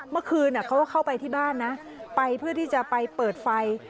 เมื่อคืนเขาก็เข้าไปที่บ้านนะไปเพื่อที่จะไปเปิดไฟ